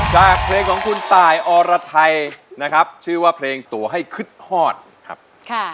จากเพลงของคุณต่ายออระไทชื่อว่าเพลงตัวให้คึดฮอท